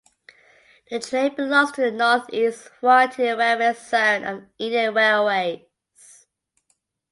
The train belongs to the Northeast Frontier Railway zone of Indian Railways.